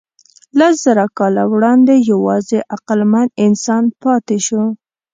لسزره کاله وړاندې یواځې عقلمن انسان پاتې شو.